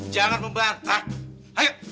jangan membantah ayo